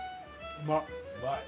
うまい。